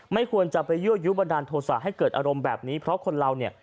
ไม่ควรจะไปยั่วยุบันดาลโทษะให้เกิดอารมณ์แบบนี้เพราะคนเราเนี่ย